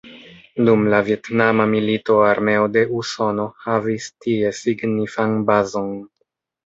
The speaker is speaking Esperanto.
Dum la Vjetnama milito armeo de Usono havis tie signifan bazon.